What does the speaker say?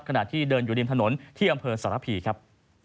ขณะที่เดินอยู่ริมถนนที่อำเภอสารพีครับ